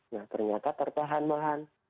nah ternyata tertahan tahan